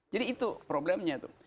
jadi itu problemnya